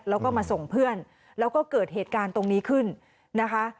แล้วก็มาส่งเพื่อนแล้วก็เกิดเหตุการณ์ตรงนี้ขึ้นนะคะ